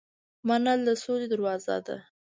منل د سولې دروازه ده.